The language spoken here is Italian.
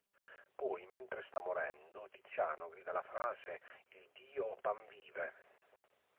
Poi, mentre sta morendo, Tiziano grida la frase "il dio Pan vive!